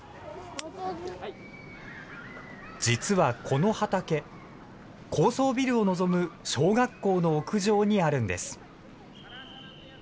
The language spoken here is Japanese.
実はこの畑、高層ビルを望む小学校の屋上にあるんです。